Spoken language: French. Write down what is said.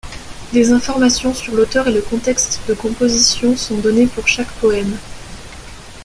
Des informations sur l'auteur et le contexte de composition sont données pour chaque poème.